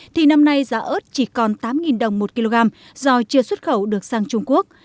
thì năm nay giá ớt chỉ còn tám đồng một kg do chưa xuất khẩu được sang trung quốc